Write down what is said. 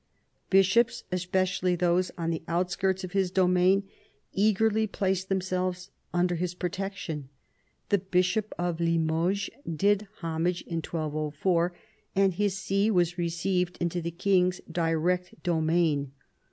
Bishops, especially those on the outskirts of his domain, eagerly placed themselves under his protection. The bishop of Limoges did homage in 1204, and his see was received into the king's direct domain.